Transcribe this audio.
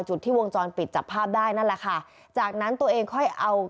จุดที่วงจรปิดจับภาพได้นั่นแหละค่ะจากนั้นตัวเองค่อยเอา